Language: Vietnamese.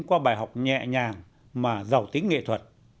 qua bài học nhẹ nhàng mà giàu tính nghệ thuật